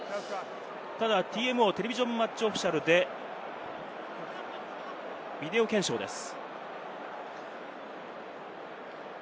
ただＴＭＯ、テレビジョン・マッチ・オフィシャルでビデオ検証です。